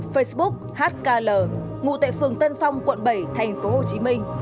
facebook hkl ngụ tại phường tân phong quận bảy thành phố hồ chí minh